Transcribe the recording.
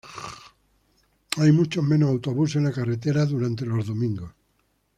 Hay muchos menos autobuses en la carretera durante los domingos.